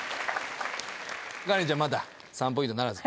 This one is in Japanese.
カレンちゃんまた３ｐｔならず。